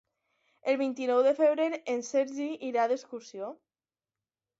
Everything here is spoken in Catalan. El vint-i-nou de febrer en Sergi irà d'excursió.